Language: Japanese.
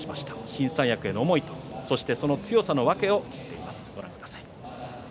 新三役への思いとその強さの訳を聞いています。